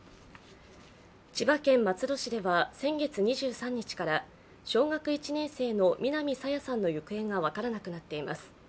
千葉県松戸市では先月２３日から小学１年生の南朝芽さんの行方が分からなくなっています。